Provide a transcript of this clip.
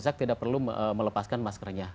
masyarakat tidak perlu melepaskan maskernya